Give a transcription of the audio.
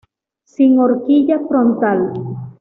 Sin horquilla frontal.